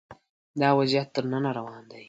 دا وضعیت تر ننه روان دی